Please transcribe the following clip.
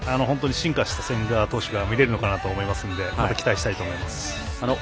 進化した千賀投手が見られると思うので期待したいと思います。